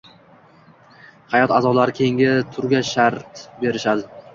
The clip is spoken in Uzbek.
hay’at a’zolari keyingi turga shart berishadi.